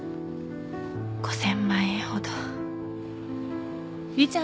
５，０００万円ほど。